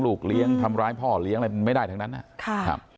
เลี้ยงทำร้ายพ่อเลี้ยงอะไรมันไม่ได้ทั้งนั้นนะครับ